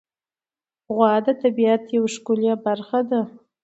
غوا د طبیعت یوه ښکلی برخه ده.